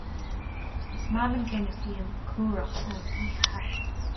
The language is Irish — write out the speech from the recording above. Is maith liom gloine fíon cúrach a ól oíche Shathairn.